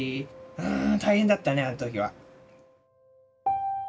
うん大変だったねあの時は。